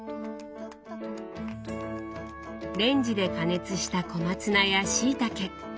レンジで加熱した小松菜やしいたけ。